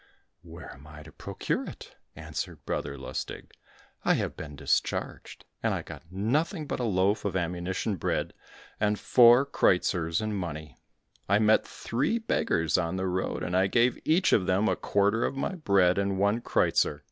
"Where am I to procure it?" answered Brother Lustig; "I have been discharged, and I got nothing but a loaf of ammunition bread and four kreuzers in money. I met three beggars on the road, and I gave each of them a quarter of my bread, and one kreuzer.